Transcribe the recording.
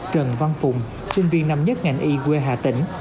trần văn phùng sinh viên năm nhất ngành y quê hà tĩnh